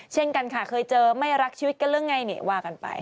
เช่นกันค่ะเคยเจอไม่รักชีวิตกันหรือไงนี่ว่ากันไป